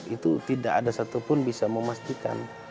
itu tidak ada satupun bisa memastikan